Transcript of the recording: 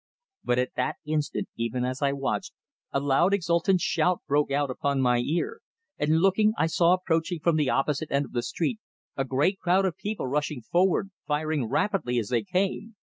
But at that instant, even as I watched, a loud exultant shout broke upon my ear, and looking I saw approaching from the opposite end of the street a great crowd of people rushing forward, firing rapidly as they came.